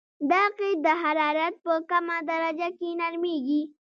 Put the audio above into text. دا قیر د حرارت په کمه درجه کې نرمیږي